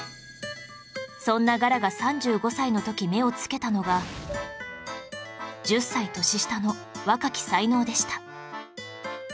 そんなガラが３５歳の時目をつけたのが１０歳年下の若き才能でした